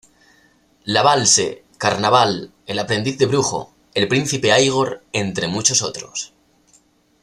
La Valse", "Carnaval", "El aprendiz de brujo", "El Príncipe Igor", entre muchos otros.